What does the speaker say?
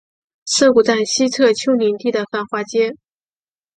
涩谷站西侧丘陵地的繁华街。